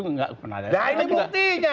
nah ini buktinya